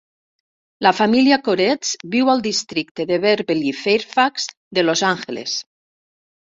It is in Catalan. La família Koretz viu al districte de Beverly-Fairfax de Los Angeles.